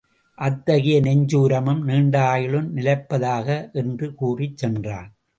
அத்தகைய நெஞ்சு உரமும் நீண்ட ஆயுளும் நிலைப்பதாக என்று கூறிச் சென்றான்.